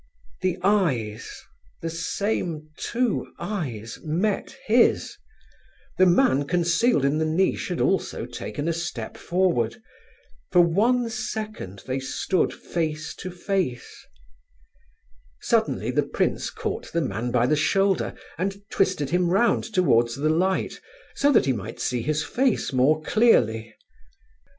The eyes—the same two eyes—met his! The man concealed in the niche had also taken a step forward. For one second they stood face to face. Suddenly the prince caught the man by the shoulder and twisted him round towards the light, so that he might see his face more clearly.